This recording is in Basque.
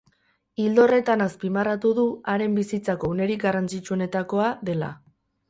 Ildo horretan, azpimarratu du haren bizitzako unerik garrantzitsuenetako dela.